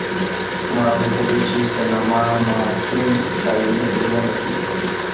ما اوریدلي چې سینما ماسپښین تعلیمي فلمونه ښیې